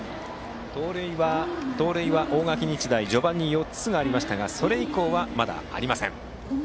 盗塁は大垣日大序盤に４つありましたがそれ以降はまだありません。